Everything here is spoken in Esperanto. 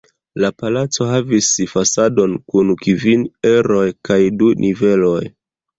La palaco havis fasadon kun kvin eroj kaj du niveloj.